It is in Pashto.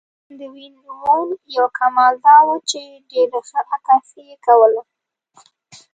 د وین وون یو کمال دا و چې ډېره ښه عکاسي یې کوله.